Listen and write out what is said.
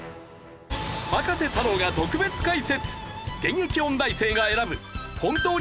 葉加瀬太郎が特別解説！